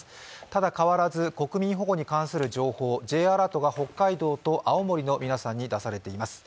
ただ変わらず国民保護に関する情報、Ｊアラートが北海道と青森の皆さんに出されています。